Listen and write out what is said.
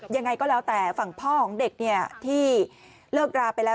ยังไงก็แล้วแต่ฝั่งพ่อของเด็กเนี่ยที่เลิกราไปแล้ว